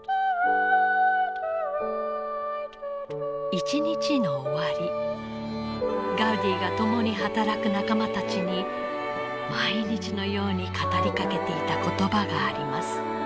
一日の終わりガウディが共に働く仲間たちに毎日のように語りかけていた言葉があります。